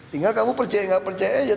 tinggal kamu percaya nggak percaya aja